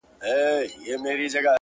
خدایه چي د مرگ فتواوي ودروي نور”